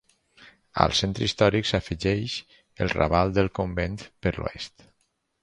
Al centre històric s'afegeix el raval del Convent per l'oest.